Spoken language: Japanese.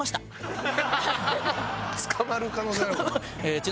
捕まる可能性あるからな。